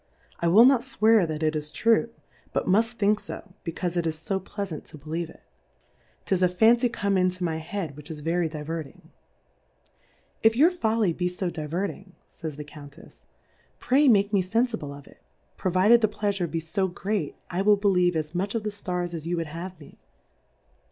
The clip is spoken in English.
I will not fwear that it is true, but muft think fo, becaufe it is fo Pleafant to be lieve Plurality of WOKLDS. 7 Iieve it ; 'Tis a Fancy come into my Head, which is very diverting. If your Folly be fo div^erting, pn's the Countefs^ Pray make me fenfible of it ; provided the Pleafure be fo great, I will believe as much of the Stars as you v/ould have me.